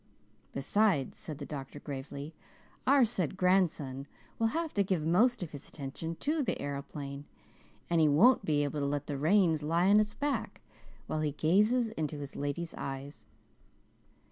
"Besides," said the doctor gravely, "our said grandson will have to give most of his attention to the aeroplane he won't be able to let the reins lie on its back while he gazes into his lady's eyes.